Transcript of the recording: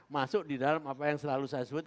masuk di dalam apa yang selalu saya sebut